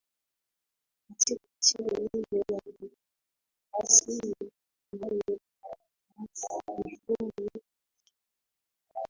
katika nchi hiyo ya kidimokrasia inayofuata mifumo ya sheria